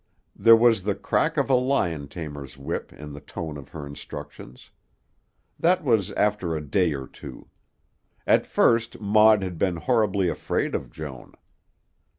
There was the crack of a lion tamer's whip in the tone of her instructions. That was after a day or two. At first Maud had been horribly afraid of Joan.